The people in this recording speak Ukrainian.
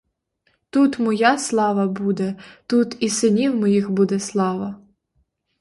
Тут моя слава буде, тут і синів моїх буде слава!